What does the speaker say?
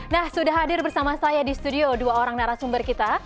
nah sudah hadir bersama saya di studio dua orang narasumber kita